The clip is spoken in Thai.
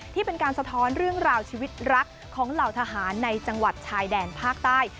ที่เป็นการสะท้อนเรื่องราวชีวิตรักของเหล่าทหารในจังหวัดชายแดนภาคใต้